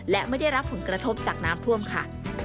และไม่ได้รับผลกระทบจากน้ำท่วมค่ะ